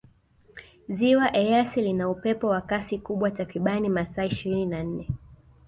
ziwa eyasi lina upepo wa Kasi kubwa takribani masaa ishirini na nne